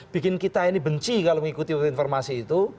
bikin kita ini benci kalau mengikuti informasi itu